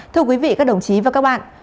thưa quý vị các đồng chí và các bạn